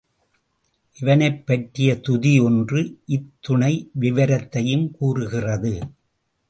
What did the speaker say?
இவனைப் பற்றிய துதி ஒன்று இத்துணை விவரத்தையும் கூறுகிறது.